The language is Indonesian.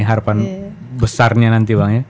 harapan besarnya nanti bang ya